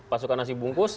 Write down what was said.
pasukan nasi bungkus